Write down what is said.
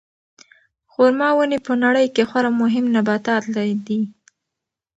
خورما ونې په نړۍ کې خورا مهم نباتات دي.